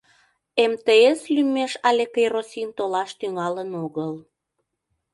МТС лӱмеш але керосин толаш тӱҥалын огыл.